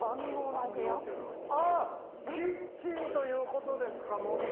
キッチンということですか。